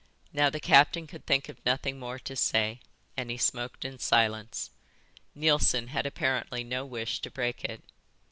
Now the captain could think of nothing more to say, and he smoked in silence. Neilson had apparently no wish to break it.